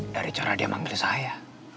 dari cara dia manggil saya